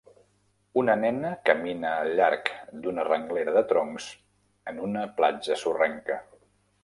Una nena camina al llarg d'una renglera de troncs en una platja sorrenca.